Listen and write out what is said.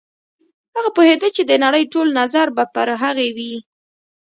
هغه پوهېده چې د نړۍ ټول نظر به پر هغې وي.